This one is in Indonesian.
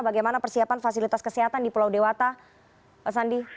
bagaimana persiapan fasilitas kesehatan di pulau dewata pak sandi